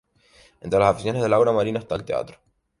Entre las aficiones de Laura Marinas está el teatro.